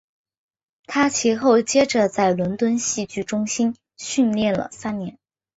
他其后接着在伦敦戏剧中心训练了三年。